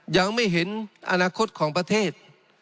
ยังไม่เห็นอนาคตของประเทศ